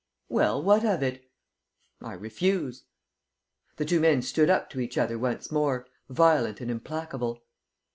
"Well, what of it?" "I refuse." The two men stood up to each other once more, violent and implacable.